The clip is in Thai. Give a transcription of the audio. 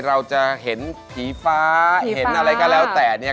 เราจะเห็นผีฟ้าเห็นอะไรก็แล้วแต่เนี่ย